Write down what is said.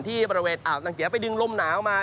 ที่บริเวณอ่าวตังเกียไปดึงลมหนาวมา